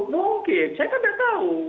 mungkin saya kan tidak tahu